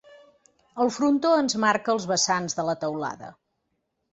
El frontó ens marca els vessants de la teulada.